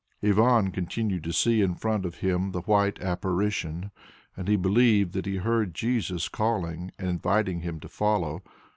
Ivan continued to see in front of him the white Apparition, and he believed that he heard Jesus calling and inviting him to follow.